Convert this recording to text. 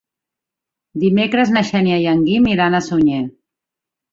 Dimecres na Xènia i en Guim iran a Sunyer.